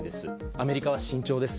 アメリカは慎重です。